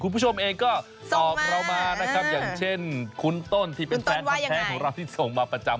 คุณผู้ชมเองก็ตอบเรามานะครับอย่างเช่นคุณต้นที่เป็นแฟนแท้ของเราที่ส่งมาประจำ